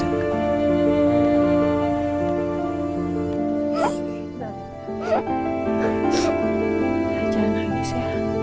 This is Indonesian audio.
ya jangan nangis ya